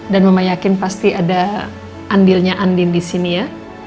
dan mama yakin pasti ada andilnya andin di sini ya